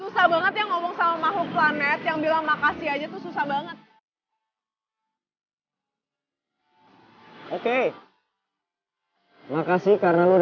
si boy masih ngejar